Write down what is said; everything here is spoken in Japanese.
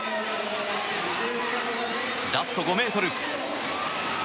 ラスト５ｍ。